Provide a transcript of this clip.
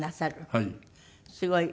はい。